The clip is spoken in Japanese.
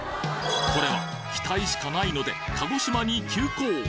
これは期待しかないので鹿児島に急行！